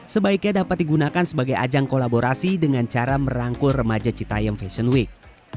sebaiknya dapat digunakan sebagai ajang kolaborasi dengan cara merangkul remaja citayam fashion week